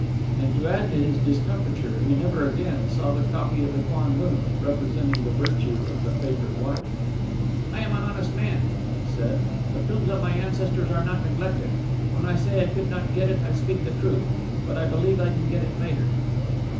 And to add to his discomfiture, he never again saw the copy of the Kwanlun, representing the virtue of the favourite wife. "I am an honest man," he said. "The tombs of my ancestors are not neglected. When I say I could not get it I speak the truth. But I believe I can get it later."